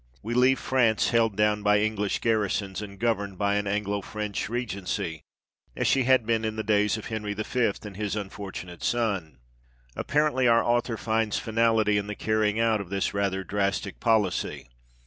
We leave France held down by English garrisons, and governed by an Anglo French regency, as she had been in the days of Henry V. and his unfortunate son. Apparently our author finds finality in the carrying out of this rather drastic policy